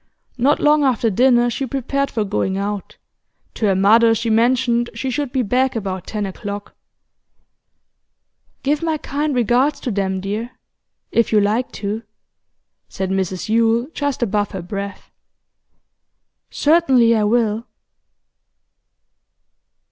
Not long after dinner she prepared for going out; to her mother she mentioned she should be back about ten o'clock. 'Give my kind regards to them, dear if you like to,' said Mrs Yule just above her breath. 'Certainly I will.